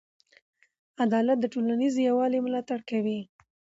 عدالت د ټولنیز یووالي ملاتړ کوي.